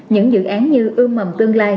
những dự án như ương mầm tương lai